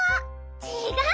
ちがうよ！